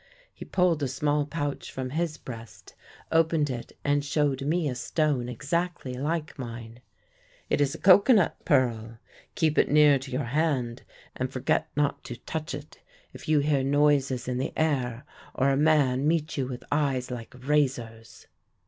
He pulled a small pouch from his breast, opened it, and showed me a stone exactly like mine. 'It is a cocoanut pearl. Keep it near to your hand, and forget not to touch it if you hear noises in the air or a man meet you with eyes like razors.'